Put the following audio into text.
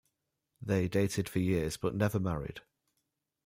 They dated for years but never married.